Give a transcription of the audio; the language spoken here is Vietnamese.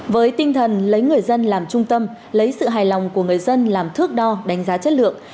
với tinh thần lấy người dân làm trung tâm lấy sự hài lòng của người dân làm thước đo đánh giá chất lượng